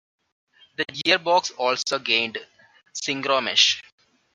The gearbox also gained synchromesh.